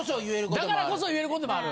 だからこそ言えることもある。